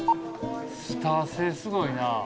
スター性すごいな。